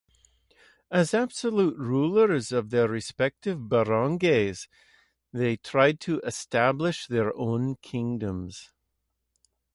As absolute rulers of their respective barangays, they tried to established their own kingdoms.